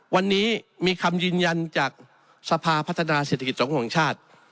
วันนี้มีคำยืนยันจากสภาพัฒนาเศรษฐกิจสังคมแห่งชาติ